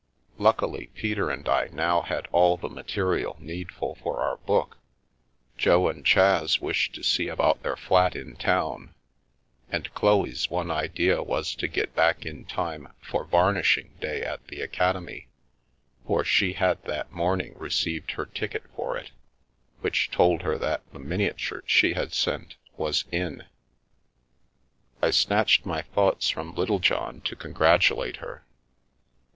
Luckily, Peter and I now had all the material needful for our book, Jo and Chas wished to see about their flat in town, and Chloe's one idea was to get back in time for Varnishing Day at the Academy, for she had that morning received her ticket for it, which told her that the miniature she had sent was "in." I snatched my thoughts from Littlejohn to congratulate her.